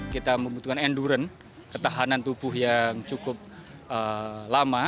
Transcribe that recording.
kita membutuhkan endurance ketahanan tubuh yang cukup lama